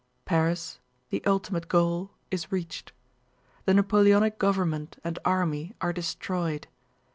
Paris, the ultimate goal, is reached. The Napoleonic government and army are destroyed.